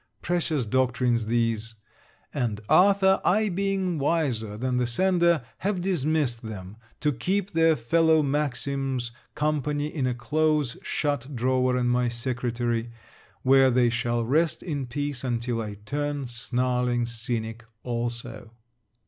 Precious doctrines, these! And, Arthur, I being wiser than the sender, have dismissed them, to keep their fellow maxims company in a close shut drawer in my secretary, where they shall rest in peace until I turn snarling cynic also.